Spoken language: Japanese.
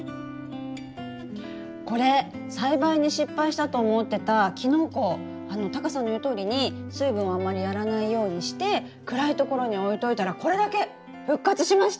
これ栽培に失敗したと思ってたキノコ！タカさんの言うとおりに水分をあんまりやらないようにして暗いところに置いといたらこれだけ復活しました！